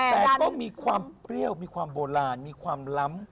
แต่ก็มีความเปรี้ยวมีความโบราณมีความล้ำ